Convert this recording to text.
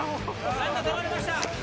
ランナーたまりました。